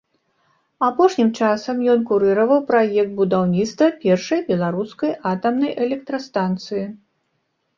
Апошнім часам ён курыраваў праект будаўніцтва першай беларускай атамнай электрастанцыі.